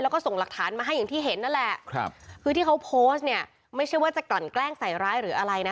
แล้วก็ส่งหลักฐานมาให้อย่างที่เห็นนั่นแหละครับคือที่เขาโพสต์เนี่ยไม่ใช่ว่าจะกลั่นแกล้งใส่ร้ายหรืออะไรนะ